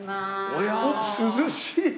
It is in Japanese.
おっ涼しい！